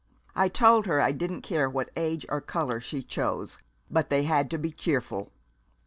I told her I didn't care what age or color she chose, but they had to be cheerful.